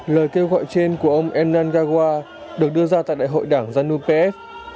lời kêu gọi trên của ông enan gawa được đưa ra tại đại hội đảng janu pf